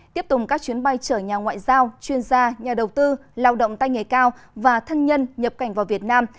tiếp tục các chuyến bay chở nhà ngoại giao chuyên gia nhà đầu tư lao động tay nghề cao và thân nhân nhập cảnh vào việt nam